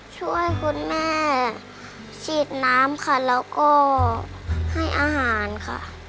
ช่วยคุณแม่ฉีดน้ำค่ะแล้วก็ให้อาหารค่ะ